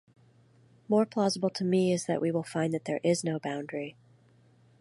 More plausible to me is that we will find that there is no boundary.